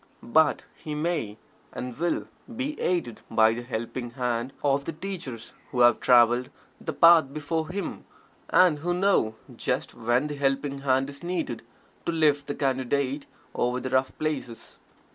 But he may, and will, be aided by the helping hand of the teachers who have traveled The Path before him, and who know just when that helping hand is needed to lift the Candidate over the rough places.